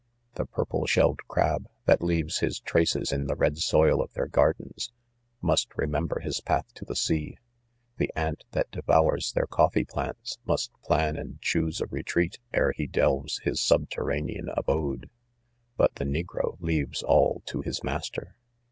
\. i The purple shelled (J crab, . that leaves his traces in the red soil of their gardens, must re member his path to^Jthe sea 5 the ant that de vours their coffee plants, must plan and choose a retreat ere he delves his subterranean abode ; but the negro leaves all to his master.